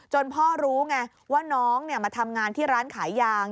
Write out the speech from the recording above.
พ่อรู้ไงว่าน้องมาทำงานที่ร้านขายยาง